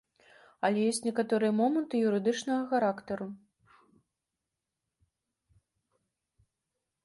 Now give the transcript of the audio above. Але ёсць некаторыя моманты юрыдычнага характару.